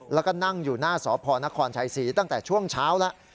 แล้วก็นั่งอยู่หน้าสพนครชัยศรีตั้งแต่ช่วงเช้าแล้ว